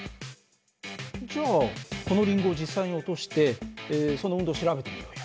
じゃあこのリンゴを実際に落としてその運動を調べてみようよ。